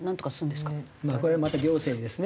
これはまた行政にですね